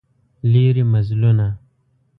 لیري مزلونه